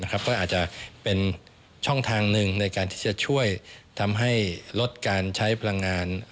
ก็อาจจะเป็นช่องทางหนึ่งให้ลดการใช้พลังงาน